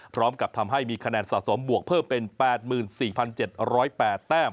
พร้อมกับทำให้มีคะแนนสะสมบวกเพิ่มเป็น๘๔๗๐๘แต้ม